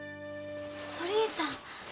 お凛さん！